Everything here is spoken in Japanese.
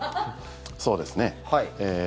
そうですね。